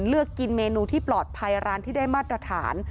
เลือกกินเมนูที่ปลอดภัยร้านที่ได้มาตรฐาน